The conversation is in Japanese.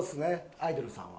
アイドルさんは？